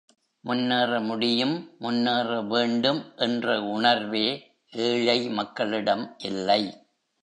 முன்னேற முடியும், முன்னேறவேண்டும் என்ற உணர்வே ஏழை மக்களிடம் இல்லை!